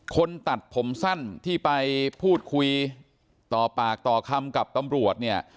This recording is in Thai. ตัดผมสั้นที่ไปพูดคุยต่อปากต่อคำกับตำรวจเนี่ย